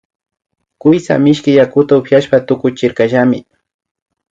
Kuytsa mishki yakuta upiashpa tukuchirkallami